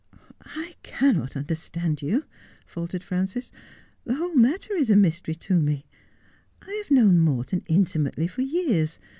' I cannot understand you,' faltered Frances. ' The whole matter is a mystery to me. I have known Morton intimately for years.